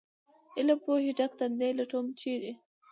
علم پوهې ډک تندي لټوم ، چېرې ؟